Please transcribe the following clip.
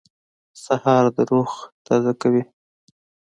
سهار د روح تازه کوي.